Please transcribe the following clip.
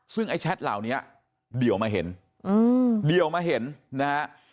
ซึ่งไอ้แชทเหล่านี้เดี่ยวมาเห็นเดี่ยวมาเห็นนะฮะ